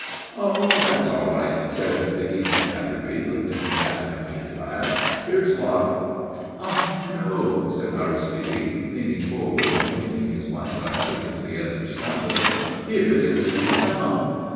"Oh, that's all right," said the easy Batterby, lifting his half emptied glass. "Here's luck!" "Ah no!" said Aristide, leaning forward and clinking his wineglass against the other's tumbler. "Here is to madame."